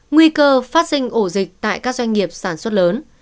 nguy cơ phát sinh ổ dịch tại các doanh nghiệp sản xuất lớn